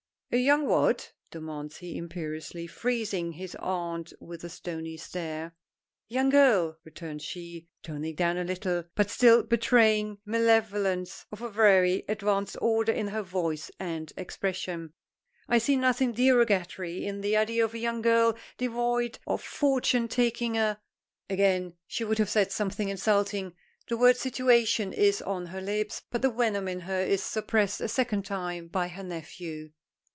"A young what?" demands he imperiously, freezing his aunt with a stony stare. "Young girl!" returns she, toning down a little, but still betraying malevolence of a very advanced order in her voice and expression. "I see nothing derogatory in the idea of a young girl devoid of fortune taking a " Again she would have said something insulting. The word "situation" is on her lips; but the venom in her is suppressed a second time by her nephew.